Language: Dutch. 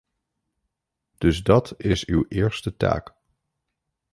Dus dat is uw eerste taak.